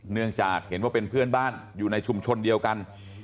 เนื่องจากเห็นว่าเป็นเพื่อนบ้านอยู่ในชุมชนเดียวกัน